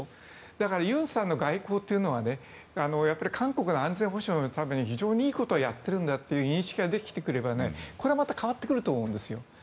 だから尹さんの外交というのは韓国の安全保障のために非常にいいことをやってるんだという認識ができてくれば、また変わってくると思うんですよ。